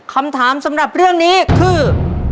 คำถามสำหรับเรื่องนี้คือ